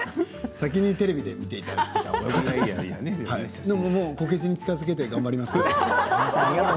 先にテレビで見ていただいたらでもこけしに近づけて頑張ります。